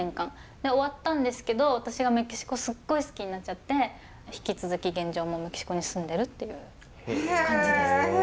で終わったんですけど私がメキシコすっごい好きになっちゃって引続き現状もメキシコに住んでるっていう感じです。